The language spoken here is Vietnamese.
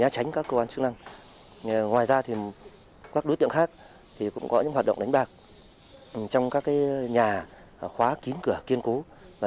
các đối tượng khác cũng có những hoạt động đánh bạc trong các nhà khóa kín cửa kiên cố